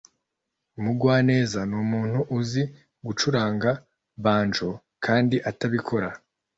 umugwaneza numuntu uzi gucuranga banjo kandi atabikora